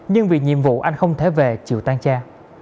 nhưng vì nhiệm vụ anh không thể về chịu tan cha